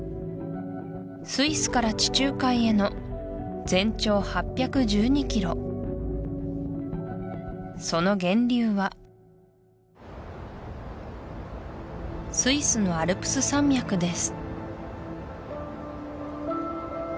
スイスから地中海への全長８１２ｋｍその源流はスイスのアルプス山脈です